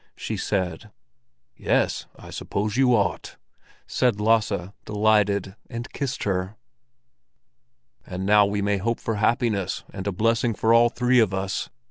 she said. "Yes, I suppose you ought," said Lasse delighted, and kissed her. "And now we may hope for happiness and a blessing for all three of us.